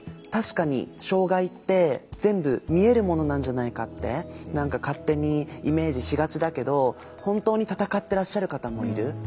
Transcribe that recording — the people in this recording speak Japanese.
確かに障害って全部見えるものなんじゃないかって何か勝手にイメージしがちだけど本当に闘ってらっしゃる方もいる。